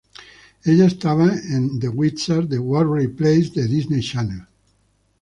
Ella estaba en The Wizards de Waverly Place de Disney Channel.